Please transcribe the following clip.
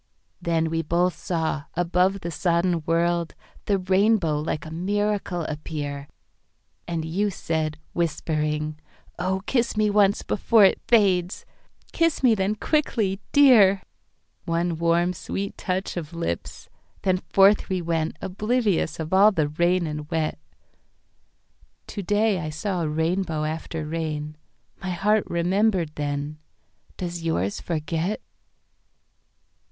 Then we both saw, above the sodden world, The Rainbow like a miracle appear, And you said, whispering, "Oh, kiss me onceBefore it fades!"—"Kiss me then quickly, Dear!"One warm sweet touch of lips—then forth we wentOblivious of all the rain and wet. To day I saw a rainbow after rain….My heart remembered then—does yours forget?